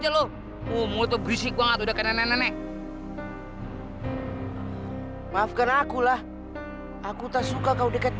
gegenar kok berisik banget okay sekarang ikut dengan aku tidak mau atau kau enaku udah resume